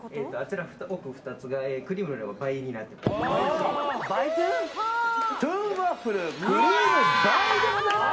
奥２つがクリームの量倍になっています。